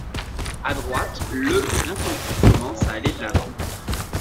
À droite, le d'infanterie commence à aller de l'avant.